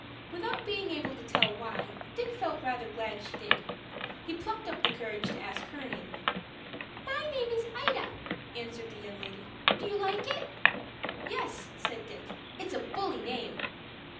Without being able to tell why, Dick felt rather glad she did. He plucked up courage to ask her name. "My name is Ida," answered the young lady. "Do you like it?" "Yes," said Dick. "It's a bully name."